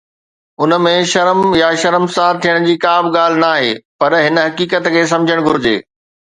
ان ۾ شرم يا شرمسار ٿيڻ جي ڪا به ڳالهه ناهي، پر هن حقيقت کي سمجهڻ گهرجي.